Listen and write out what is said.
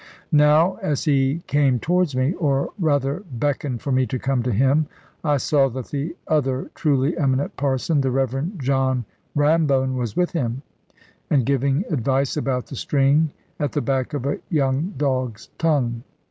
Now, as he came towards me, or rather beckoned for me to come to him, I saw that the other truly eminent parson, the Reverend John Rambone, was with him, and giving advice about the string at the back of a young dog's tongue.